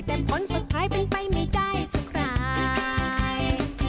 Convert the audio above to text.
แต่ผลสุดทางไปไม่ได้สกะแ